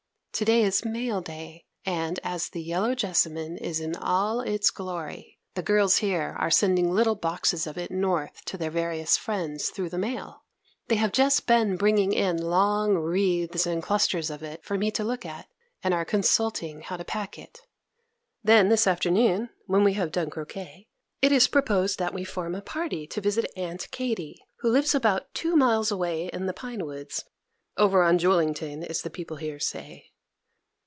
To day is mail day; and, as the yellow jessamine is in all its glory, the girls here are sending little boxes of it North to their various friends through the mail. They have just been bringing in long wreaths and clusters of it for me to look at, and are consulting how to pack it. Then this afternoon, when we have done croquet, it is proposed that we form a party to visit Aunt Katy, who lives about two miles away in the pine woods, "over on Julington" as the people here say.